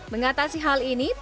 mengatasi hal ini